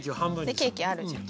ケーキあるじゃん。